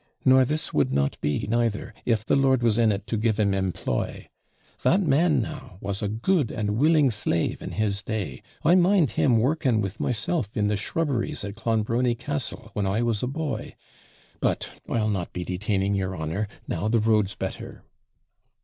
Nor this would not be, neither, if the lord was in it to give 'em EMPLOY. That man, now, was a good and a willing SLAVE in his day: I mind him working with myself in the shrubberies at Clonbrony Castle, when I was a boy but I'll not be detaining your honour, now the road's better.'